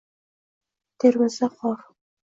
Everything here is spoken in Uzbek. Termizda qor